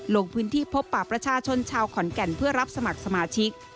ลงพื้นที่พบปากประชาชนชาวขอนแก่นเพื่อรับสมัครสมาชิก